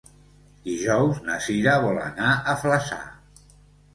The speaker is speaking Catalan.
Dijous na Sira vol anar a Flaçà.